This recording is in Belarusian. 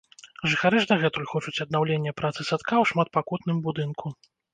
Жыхары ж дагэтуль хочуць аднаўлення працы садка ў шматпакутным будынку.